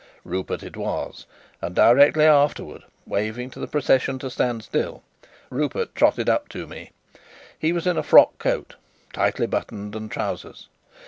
Rupert it was, and directly afterwards, waving to the procession to stand still, Rupert trotted up to me. He was in a frock coat, tightly buttoned, and trousers.